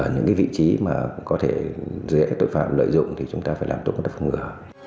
những vị trí mà có thể dễ tội phạm lợi dụng thì chúng ta phải làm tốt công tác phòng ngừa